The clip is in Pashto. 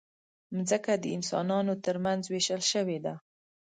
مځکه د انسانانو ترمنځ وېشل شوې ده.